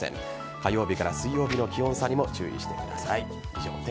火曜日から水曜日の気温差にも注意してください。